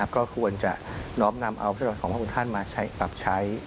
ก็ควรจะนอบนำเอาพฤติภาพของพระคุณท่านมาปรับใช้